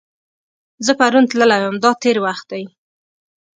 زه پرون تللی وم – دا تېر وخت دی.